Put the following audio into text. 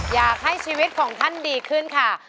อยากให้ชีวิตของท่านดีขึ้นค่ะ